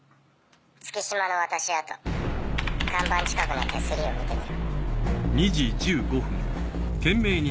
月島の渡し跡看板近くの手すりを見てみろ。